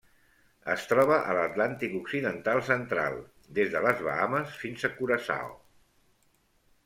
Es troba a l'Atlàntic occidental central: des de les Bahames fins a Curaçao.